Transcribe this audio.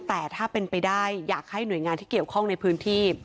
แต่ถ้าเป็นไปได้อยากให้หน่วยงานที่เกี่ยวข้องในพื้นที่